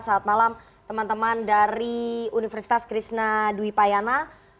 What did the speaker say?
saat malam teman teman dari universitas krishna dwi payana